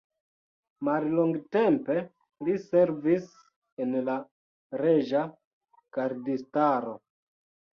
Mallongtempe li servis en la reĝa gardistaro.